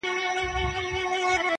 پر دښمن باندي تاختونه -